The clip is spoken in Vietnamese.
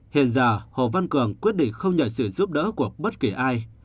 hiện giờ hồ văn cường quyết định không nhận sự giúp đỡ của bất kỳ ai